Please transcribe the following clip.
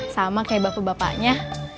sama kayak bapak bapaknya